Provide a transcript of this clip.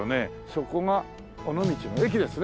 そこが尾道の駅ですね。